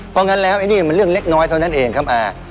เพราะงั้นแล้วไอ้นี่มันเรื่องเล็กน้อยเท่านั้นเองครับอา